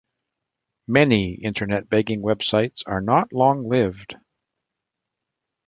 Many Internet begging websites are not long lived.